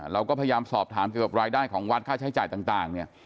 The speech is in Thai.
เราก็พยายามสอบถามเกี่ยวกับรายได้ของวัดค่าใช้จ่ายต่างเนี่ย